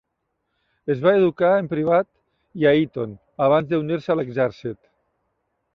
Es va educar en privat i a Eton abans d'unir-se a l'exèrcit.